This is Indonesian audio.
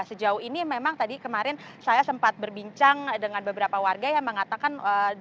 sejauh ini memang tadi kemarin saya sempat berbincang dengan beberapa warga yang mengatakan